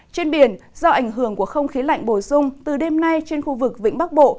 trên biển do ảnh hưởng của không khí lạnh bổ sung từ đêm nay trên khu vực vĩnh bắc bộ